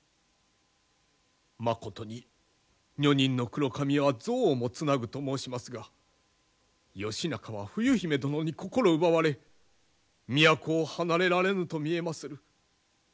まことに「女人の黒髪は象をもつなぐ」と申しますが義仲は冬姫殿に心奪われ都を離れられぬと見えまする。